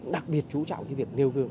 đặc biệt trú trọng việc nêu gương